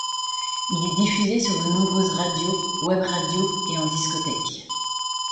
Il est diffusé sur de nombreuses radios, webradios, et en discothèque.